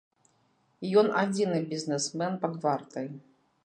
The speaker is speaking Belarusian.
Ён адзіны бізнесмен пад вартай.